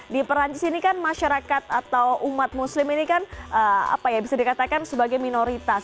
di perancis ini kan masyarakat atau umat muslim ini kan bisa dikatakan sebagai minoritas